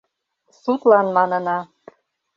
Судлан манына: